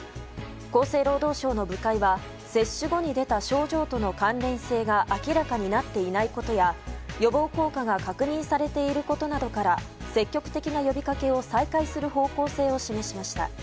厚生労働省の部会は接種後に出た症状との関連性が明らかになっていないことや予防効果が確認されていることなどから積極的な呼びかけを再開する方向性を示しました。